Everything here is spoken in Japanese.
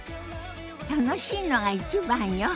楽しいのが一番よ。